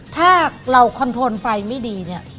ถ้าเราคอนโทนไฟไม่ดีเนี่ย